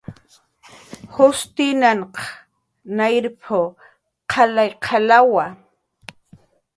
" jushtinan nayrp"" qalay qalawa"